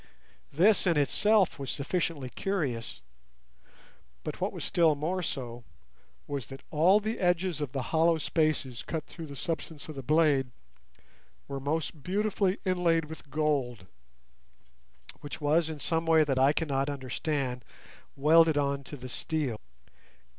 This in itself was sufficiently curious, but what was still more so was that all the edges of the hollow spaces cut through the substance of the blade were most beautifully inlaid with gold, which was in some way that I cannot understand welded on to the steel.